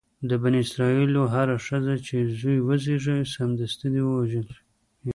د بني اسرایلو هره ښځه چې زوی وزېږوي سمدستي دې ووژل شي.